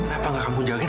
apa gak kamu jalanin